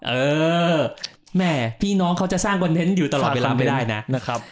เออแม่พี่น้องเขาจะสร้างควรเน้นอยู่ตลอดเวลาไม่ได้นะ